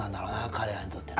彼らにとってね。